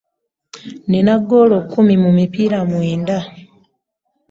Nina ggoolo kumi mu mipiira mwenda.